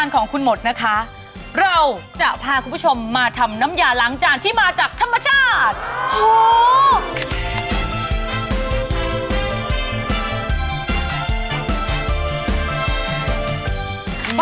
เขาสละสิทเพราะเขาติดภารกิจยาว